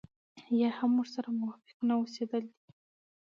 يا هم ورسره موافق نه اوسېدل دي.